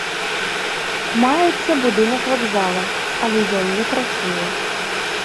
Маецца будынак вакзала, але ён не працуе.